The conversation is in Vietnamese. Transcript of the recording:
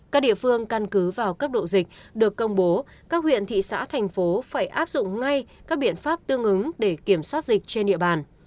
các địa phương căn cứ vào cấp độ dịch được công bố các huyện thị xã thành phố phải áp dụng ngay các biện pháp tương ứng để kiểm soát dịch trên địa bàn